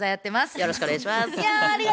よろしくお願いします。